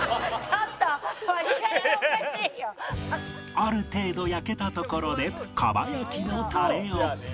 ある程度焼けたところで蒲焼きのタレを